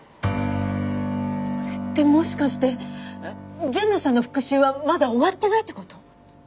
それってもしかして純奈さんの復讐はまだ終わってないって事？